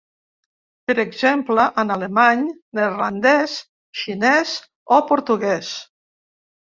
Per exemple, en alemany, neerlandès, xinès o portuguès.